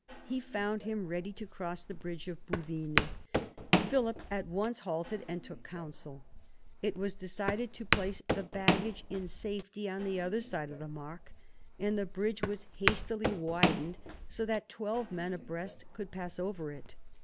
He found him ready to cross the bridge of Bouvines. Philip at once halted and took counsel. It was decided to place the baggage in safety on the other side of the Marcq, and the bridge was hastily widened so that twelve men abreast could pass over it.